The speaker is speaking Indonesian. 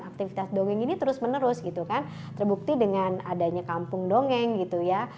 jadi aktivitas dongeng ini terus menerus gitu kan terbukti dengan adanya kampung dongeng gitu ya